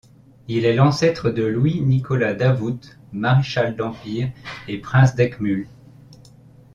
Il est l'ancêtre de Louis Nicolas Davout, maréchal d'Empire et prince d’Eckmühl.